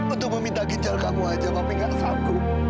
untuk meminta ginjal kamu aja papi gak sanggup